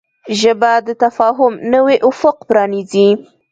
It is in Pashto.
ژبه د تفاهم نوی افق پرانیزي